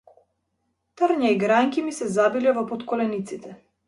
Трња и гранки ми се забиле во потколениците.